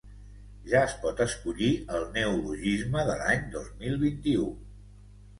Ja es pot escollir el neologisme de l’any dos mil vint-i-u.